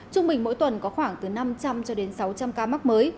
trung bình mỗi tuần có khoảng từ năm trăm linh cho đến sáu trăm linh ca mắc mới